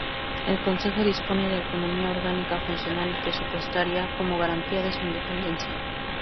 El Consejo dispone de autonomía orgánica, funcional y presupuestaria, como garantía de su independencia.